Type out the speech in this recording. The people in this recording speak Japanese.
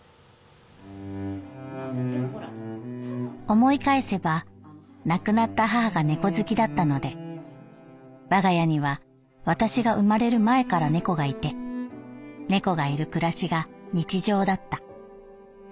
「思い返せば亡くなった母が猫好きだったので我が家には私が生まれる前から猫がいて猫がいる暮らしが日常だった。